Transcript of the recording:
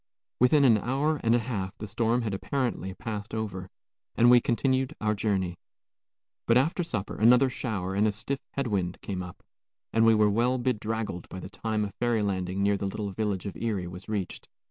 Within an hour and a half the storm had apparently passed over, and we continued our journey. But after supper another shower and a stiff head wind came up, and we were well bedraggled by the time a ferry landing near the little village of Erie was reached.